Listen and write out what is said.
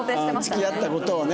付き合った事をね